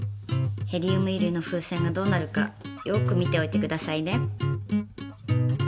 ヘリウム入りの風船がどうなるかよく見ておいてくださいね。